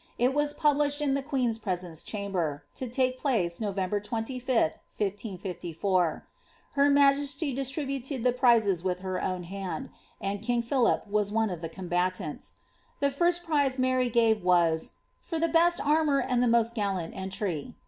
It was published in the queen's presence chimber,* to take ylace November 25th, 1554. Her majesty distributed the prizes with Her own hand ; and k4ng Philip was one of the combatants. The first [NTixe Mary gave was ^ for the best armour and the most gallant entry.''